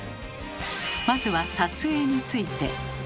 まずは「撮影」について。